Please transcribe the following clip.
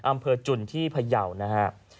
อำเภอจุนที่พยาวนะฮะ